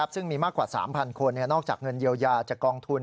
ซึ่งมีมากกว่า๓๐๐คนนอกจากเงินเยียวยาจากกองทุน